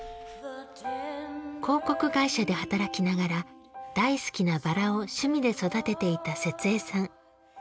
広告会社で働きながら大好きなバラを趣味で育てていた節江さん。